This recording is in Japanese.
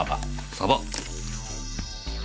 サバ。